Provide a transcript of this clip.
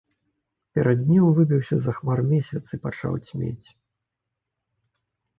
Перад днём выбіўся з-за хмар месяц і пачаў цьмець.